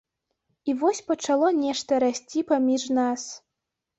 І вось пачало нешта расці паміж нас.